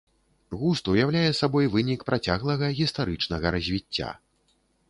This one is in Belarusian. Густ уяўляе сабой вынік працяглага гістарычнага развіцця.